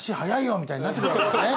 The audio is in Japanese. みたいになってくるわけですね